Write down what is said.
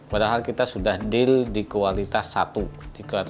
padahal kita sudah deal di kualitas satu di kuartal satu